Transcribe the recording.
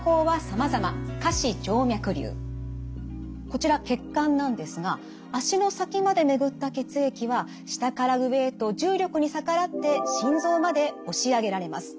こちら血管なんですが足の先まで巡った血液は下から上へと重力に逆らって心臓まで押し上げられます。